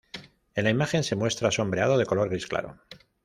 En la imagen se muestra sombreado de color gris claro.